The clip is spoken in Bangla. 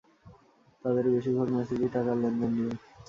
তাদের বেশীরভাগ মেসেজই টাকার লেনদেন নিয়ে।